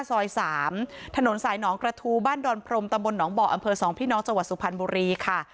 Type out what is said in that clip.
ซอย๓ถนนสายหนองกระทูบ้านดอนพรมตำบลหนองบ่ออำเภอ๒พี่น้องจังหวัดสุพรรณบุรีค่ะ